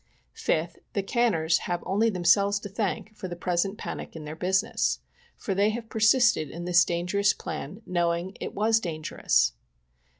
5th. The canners have only themselves to thank for the present panic in their business, for they have persisted in this dangerous plan, knowing it was dangerous.